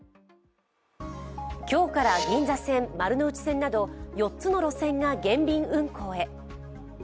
今日から銀座線、丸ノ内線など４つの路線が減便運行へ。